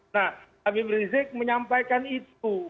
nah habib rizik menyampaikan itu